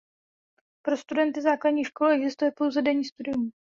Pro studenty základních škol existuje pouze denní studium.